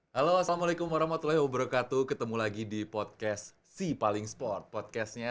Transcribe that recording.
halo assalamualaikum warahmatullahi wabarakatuh ketemu lagi di podcast si paling sport podcastnya